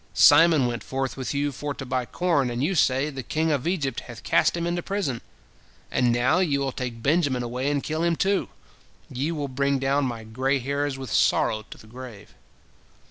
Simon went forth with you for to buy corn, and you say, The king of Egypt hath cast him into prison. And now ye will take Benjamin away and kill him, too. Ye will bring down my gray hairs with sorrow to the grave."